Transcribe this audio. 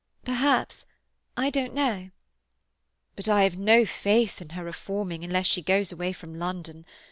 "Perhaps—I don't know—" "But I have no faith in her reforming unless she goes away from London.